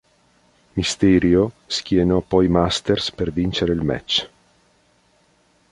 Mysterio schienò poi Masters per vincere il match.